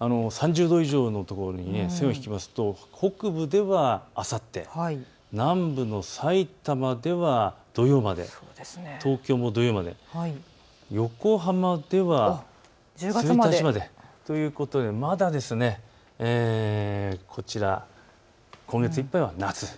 ３０度以上のところ、線を引くと北部ではあさって、南部のさいたまでは土曜まで、東京も土曜まで、横浜では１日まで。ということでまだ今月いっぱいは夏。